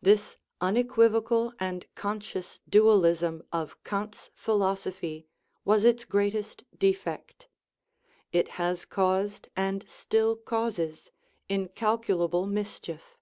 This unequivocal and conscious dualism of Kant's philosophy was its greatest defect ; it has caused, and still causes, incalculable mischief.